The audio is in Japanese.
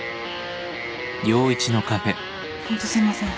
ホントすいません。